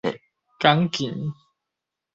港墘